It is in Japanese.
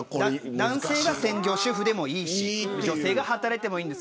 男性が専業主夫でもいいし女性が働いてもいいんです。